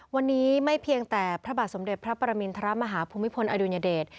วันนี้ไม่เพียงแต่พระบาทสมเด็จพระปรมินทรมาฮาภูมิพลอดุญเดช